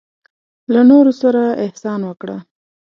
له نورو سره احسان وکړه.